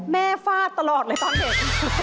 ฟาดตลอดเลยตอนเด็ก